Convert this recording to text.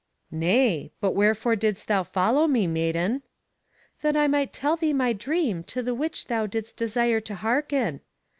Nay! but wherefore didst thou follow me, maiden? That I might tell thee my dream to the which thou didst desire to hearken.